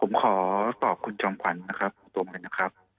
ผมขอตอบคุณจอมขวัญนะครับตรงเลยนะครับ